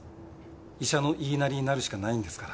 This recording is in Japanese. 医者の言いなりになるしかないんですから。